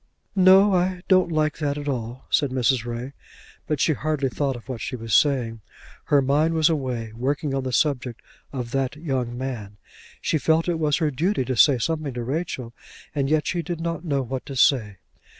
"No; I don't like that at all," said Mrs. Ray. But she hardly thought of what she was saying. Her mind was away, working on the subject of that young man. She felt that it was her duty to say something to Rachel, and yet she did not know what to say.